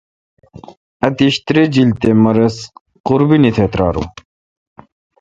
اتیش تریجیل تے مہ رس قربینی تہ تریارون۔